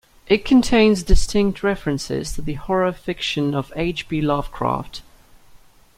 It contains distinct references to the horror fiction of H. P. Lovecraft.